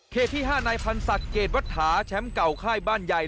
ที่๕นายพันธ์ศักดิ์เกรดวัตถาแชมป์เก่าค่ายบ้านใหญ่